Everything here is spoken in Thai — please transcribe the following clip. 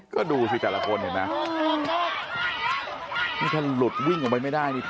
ก็ดูสิแต่ละคนเห็นนะนี่แทนหลุดวิ่งออกไปไม่ได้